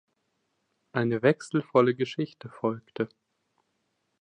Eine wechselvolle Geschichte folgte.